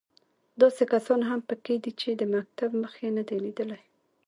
داسې کسان هم په کې دي چې د مکتب مخ یې نه دی لیدلی.